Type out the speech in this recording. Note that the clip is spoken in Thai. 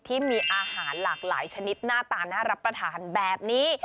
ที่มีอาหารหลากหลายชนิดหน้าตาน่ารับประทานแบบนี้